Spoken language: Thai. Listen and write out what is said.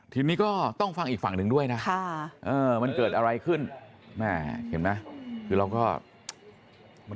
ทีนี้ก็ต้องฟังอีกฝั่งหนึ่งด้วยนะมันเกิดอะไรขึ้นแม่เห็นไหมคือเราก็